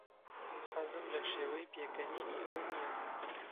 حەزم لە شێوەی پێکەنینی ئەو نییە.